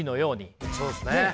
そうっすね。